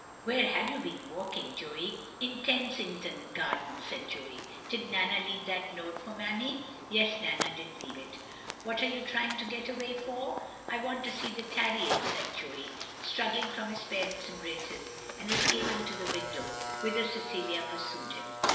"Where have you been walking, Joey?" " In Tensington Gardens, " said Joey. "Did Nana leave that note for Mammy?" "Yes, Nana did leave it." "What are you trying to get away for?" " I want to tee the tarriage, " said Joey, strug gling from his parent's embraces, and escaping to the window, whither Cecilia pursued him.